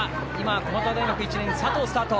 駒沢大学１年の佐藤がスタート。